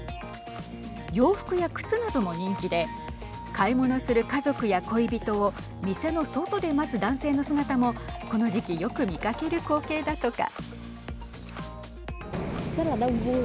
洋服や靴なども人気で買い物する家族や恋人を店の外で待つ男性の姿もこの時期よく見かける光景だとか。